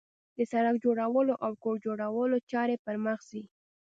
د سړک جوړولو او کور جوړولو چارې پرمخ ځي